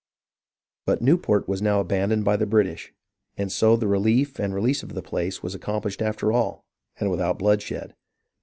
But Newport was now abandoned by the British ; and so the relief and release of the place were accomplished after all, and without bloodshed.